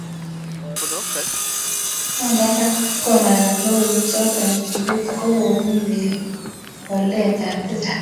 kondagas logoiywek chotok kibet ko komii poldet ab tisap